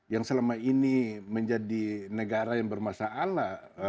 yang selama ini menjadi negara yang bermasalah